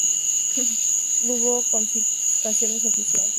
Hubo confiscaciones oficiales y amplios registros domiciliarios.